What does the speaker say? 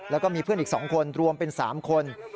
แล้วก็มีเพื่อนอีก๒คนรวมเป็น๓คน